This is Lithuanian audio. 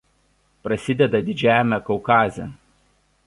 Prasideda Didžiajame Kaukaze.